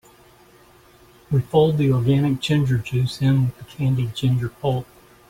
We fold the organic ginger juice in with the candied ginger pulp.